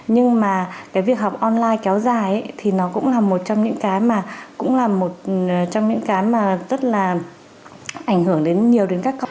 nhưng mà cái việc học online kéo dài thì nó cũng là một trong những cái mà rất là ảnh hưởng đến nhiều đến các con